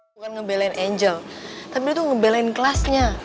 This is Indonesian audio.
bukan ngebelain angel tapi dia tuh ngebelain kelasnya